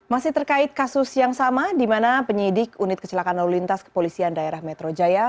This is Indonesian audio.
masih terkait kasus yang sama di mana penyidik unit kecelakaan lalu lintas kepolisian daerah metro jaya